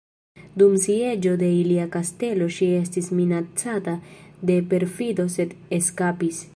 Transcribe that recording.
Dum sieĝo de ilia kastelo ŝi estis minacata de perfido sed eskapis.